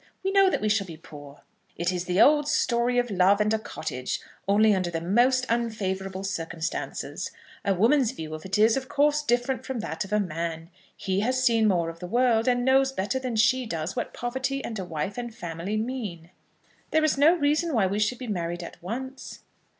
We know that we shall be poor." "It is the old story of love and a cottage, only under the most unfavourable circumstances. A woman's view of it is, of course, different from that of a man. He has seen more of the world, and knows better than she does what poverty and a wife and family mean." "There is no reason why we should be married at once."